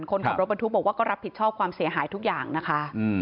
คนขับรถบรรทุกบอกว่าก็รับผิดชอบความเสียหายทุกอย่างนะคะ